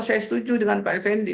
saya setuju dengan pak effendi